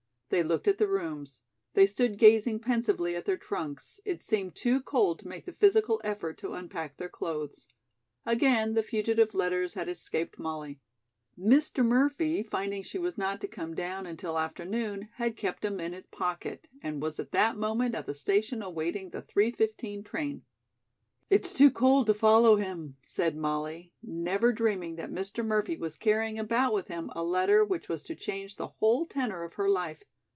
They looked at the rooms; they stood gazing pensively at their trunks; it seemed too cold to make the physical effort to unpack their clothes. Again the fugitive letters had escaped Molly. Mr. Murphy, finding she was not to come down until afternoon had kept them in his pocket and was at that moment at the station awaiting the three fifteen train. "It's too cold to follow him," said Molly, never dreaming that Mr. Murphy was carrying about with him a letter which was to change the whole tenor of her life.